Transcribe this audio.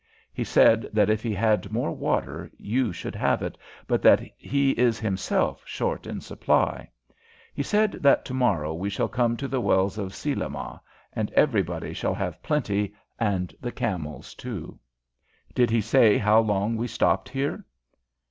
He said that if he had more water you should have it, but that he is himself short in supply. He said that tomorrow we shall come to the wells of Selimah, and everybody shall have plenty and the camels too." "Did he say how long we stopped here?"